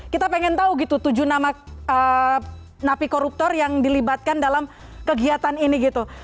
kita pengen tahu gitu tujuh nama napi koruptor yang dilibatkan dalam kegiatan ini gitu